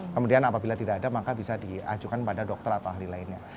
kemudian apabila tidak ada maka bisa diajukan pada dokter atau ahli lainnya